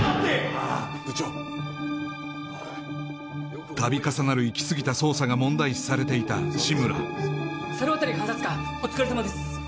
まあ部長たび重なる行き過ぎた捜査が問題視されていた志村猿渡監察官お疲れさまです